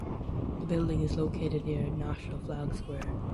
The building is located near National Flag Square.